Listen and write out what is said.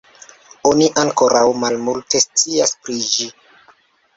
Oni ankoraŭ malmulte scias pri ĝi.